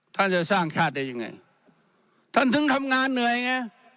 ท่านจะสร้างชาติได้ยังไงท่านถึงทำงานเหนื่อยไง